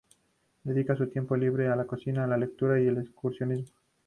Dedica su tiempo libre a la cocina, la lectura y el excursionismo.